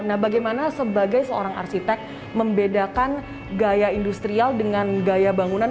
nah bagaimana sebagai seorang arsitek membedakan gaya industrial dengan gaya bangunan